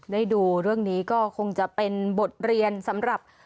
ได้ดูเรื่องนี้ก็คงจะเป็นบทเรียนสำหรับ